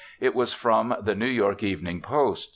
It was from the New York Evening Post.